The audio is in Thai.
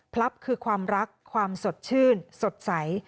คือความรักความสดชื่นสดใส